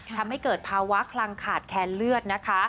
ทำให้เกิดภาวะคลังขาดแคนเลือดนะคะ